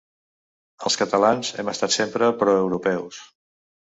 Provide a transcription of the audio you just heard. Els catalans hem estat sempre pro-europeus.